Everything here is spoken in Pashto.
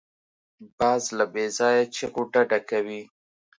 باز له بېځایه چیغو ډډه کوي